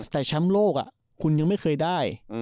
แต่แชมป์โลกคุณยังไม่เคยได้